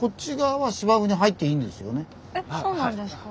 はい。